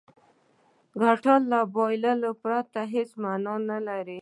ګټل له بایللو پرته څه معنا لري.